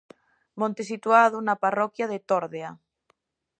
Monte situado na parroquia de Tórdea.